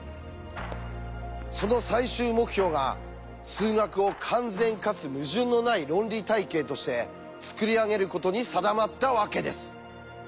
その最終目標が数学を完全かつ矛盾のない論理体系として作り上げることに定まったわけです。